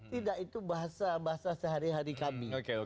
tidak itu bahasa bahasa sehari hari kami